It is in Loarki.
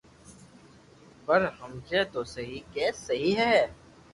پر ھمجي تو سھي ڪي سھي ھي